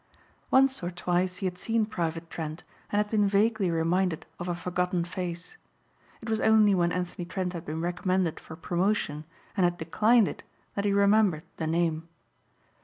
Once or twice he had seen Private Trent and had been vaguely reminded of a forgotten face. It was only when Anthony Trent had been recommended for promotion and had declined it that he remembered the name.